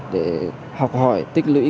để học hỏi tích lưỡi